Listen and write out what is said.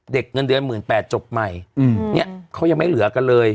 เด็กเงินเดือน๑๘๐๐๐บาทจบใหม่เขายังไม่เหลือกันเลย